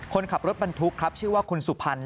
คนขับรถบรรทุกครับชื่อว่าคุณสุพรรณ